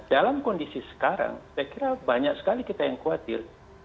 dalam kondisi sekarang saya kira banyak sekali kita yang khawatir